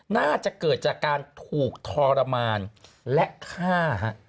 น่าจะเกิดจากการถูกทรมานและฆ่า